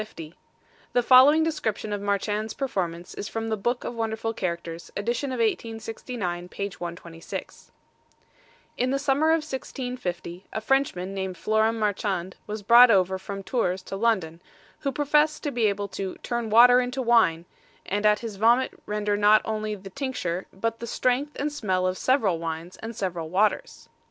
The following description of Marchand's performance is from The Book of Wonderful Characters, edition of 1869, page 126: In the summer of 1650, a Frenchman named Floram Marchand was brought over from Tours to London, who professed to be able to "turn water into wine," and at his vomit render not only the tincture, but the strength and smell of several wines, and several waters.